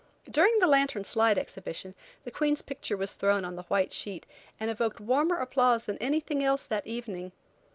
During the lantern slide exhibition, the Queen's picture was thrown on the white sheet, and evoked warmer applause than anything else that evening.